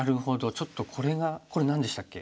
ちょっとこれがこれ何でしたっけ？